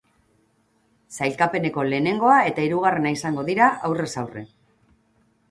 Sailkapeneko lehenengoa eta hirugarrena izango dira, aurrez aurre.